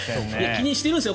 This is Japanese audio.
気にしてるんですよ